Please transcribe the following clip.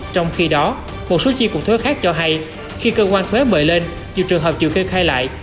trong khi đó một số chi cục thuế khác cho hay khi cơ quan thuế mời lên nhiều trường hợp chịu kê khai lại